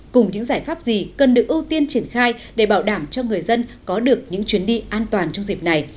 cùng những giải pháp gì cần được ưu tiên triển khai để bảo đảm cho người dân có được những chuyến đi an toàn trong dịp này